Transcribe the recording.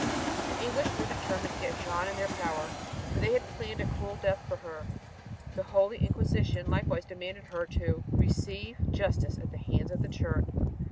The English were determined to get Jeanne in their power, for they had planned a cruel death for her. The Holy Inquisition likewise demanded her "to receive justice at the hands of the Church."